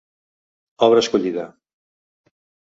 Obra escollida.